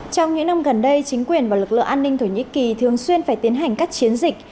trong những năm gần đây chính quyền và lực lượng an ninh thổ nhĩ kỳ thường xuyên phải tiến hành các chiến dịch